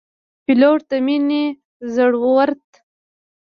پیلوټ د مینې، زړورت